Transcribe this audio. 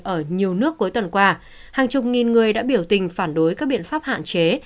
ở nhiều nước cuối tuần qua hàng chục nghìn người đã biểu tình phản đối các biện pháp hạn chế